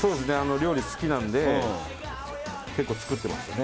料理好きなんで結構作ってましたね